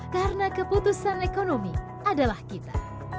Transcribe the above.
karena keputusan ekonomi adalah kita